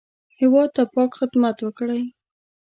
هېواد ته پاک خدمت وکړئ